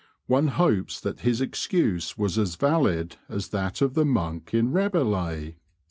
One hopes that his excuse was as valid as that of the monk in Rabelais.